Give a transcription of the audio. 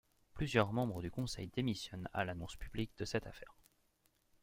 Plusieurs membres du conseil démissionnent à l'annonce publique de cette affaire.